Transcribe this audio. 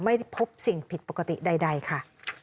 ไม่พบสิ่งผิดปกติใดค่ะ